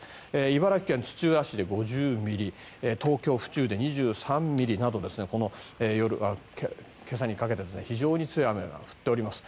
茨城県土浦市で５０ミリ東京・府中で２３ミリなど今朝にかけて非常に強い雨が降っています。